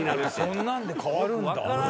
そんなんで変わるんだ。